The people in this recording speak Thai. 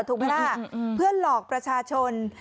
ถูกไหมล่ะเพื่อหลอกประชาชน